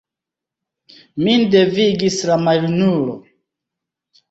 Min devigis la maljunulo.